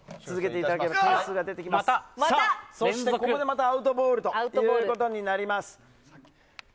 そしてここでまたアウトボールとなります。